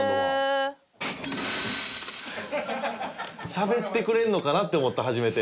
しゃべってくれんのかなって思った初めて。